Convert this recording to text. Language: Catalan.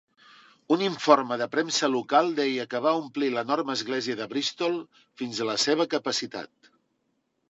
Un informe de premsa local deia que va omplir l'enorme església de Bristol fins a la seva capacitat.